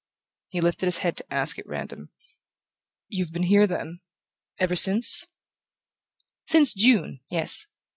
He lifted his head to ask at random: "You've been here, then, ever since?" "Since June; yes.